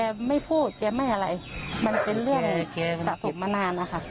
ไม่พูดแกไม่อะไรมันเป็นเรื่องสะสมมานานนะคะ